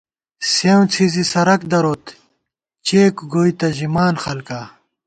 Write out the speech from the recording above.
سېوں څھِزی سرَک دروت، چېک گوئیبہ ژِمان خلکا